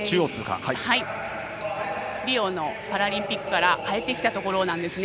リオのパラリンピックから変えてきたところなんですね。